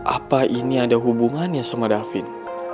apa ini ada hubungannya sama david